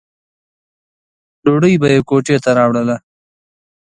ډوډۍ به یې کوټې ته راوړله.